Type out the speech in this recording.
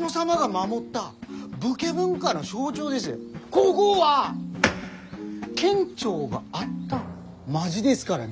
こごは県庁があった町ですからね！